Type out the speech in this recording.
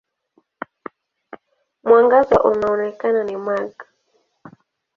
Mwangaza unaoonekana ni mag.